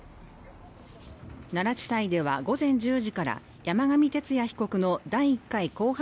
奈良地裁では午前１０時から山上徹也被告の第１回公判